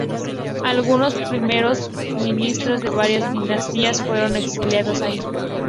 Algunos primeros ministros de varias dinastías fueron exiliados allí.